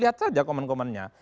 lihat saja komen komennya